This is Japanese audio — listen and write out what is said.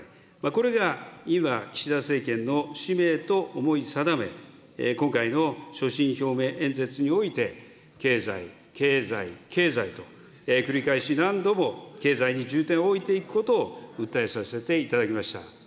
これが今、岸田政権の使命と思い定め、今回の所信表明演説において、経済、経済、経済と、繰り返し何度も経済に重点を置いていくことを訴えさせていただきました。